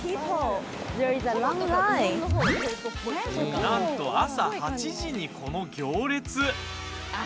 なんと朝８時にこの行列。